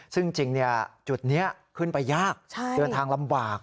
ซึ่งจริงจุดนี้ขึ้นไปยากเดินทางลำบาก